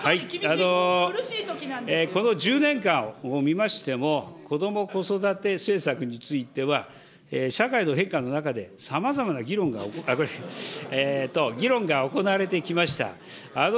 この１０年間を見ましても、こども・子育て政策については、社会の変化の中で、さまざまな議論が、議論が行われてきました。